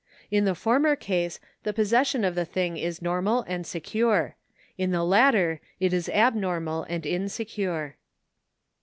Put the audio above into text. In the former case the position of the thing is normal and secure ; in the latter it is abnormal and insecure.